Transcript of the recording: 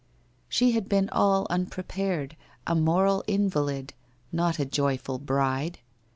She had been all unprepared, a moral in valid, not a joyful bride.